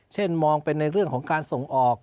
เช่นมองเป็นในเรื่องของการส่งออก